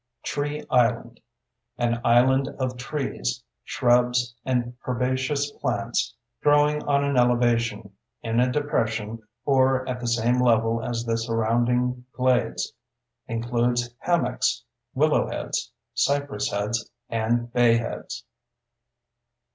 TREE ISLAND: An island of trees, shrubs, and herbaceous plants growing on an elevation, in a depression, or at the same level as the surrounding glades. Includes hammocks, willow heads, cypress heads, and bayheads.